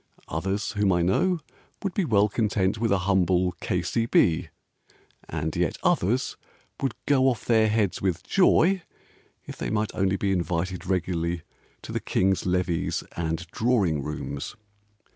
Others, whom I know, Would be well content with a humble K.C.B. And yet others Would go off their heads with joy If they might only be invited regularly To the King's Levees and Droring Rooms.